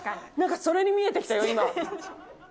それに見えてきたよ、今。